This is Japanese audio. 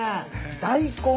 大根